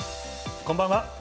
こんばんは。